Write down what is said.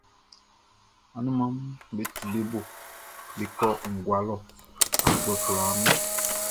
Anunmanʼm be tu be bo be kɔ ngua lɔ afuɛ kwlaa nun.